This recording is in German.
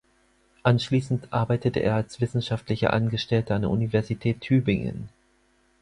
Anschließend arbeitete er als wissenschaftlicher Angestellter an der Universität Tübingen.